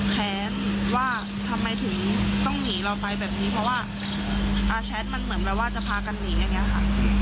แค้นว่าทำไมถึงต้องหนีเราไปแบบนี้เพราะว่าอาแชทมันเหมือนแบบว่าจะพากันหนีอย่างนี้ค่ะ